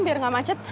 biar gak macet